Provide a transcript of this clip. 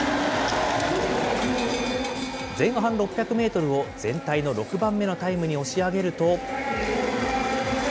前半６００メートルを全体の６番目のタイムに押し上げると。